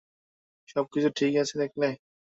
সবকিছু ঠিক আছে, দেখলে?